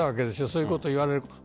そういうことを言われること。